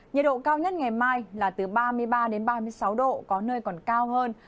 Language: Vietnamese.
nhiệt độ cao nhất ngày mai là từ ba mươi ba đến ba mươi sáu độ có nơi còn cao hơn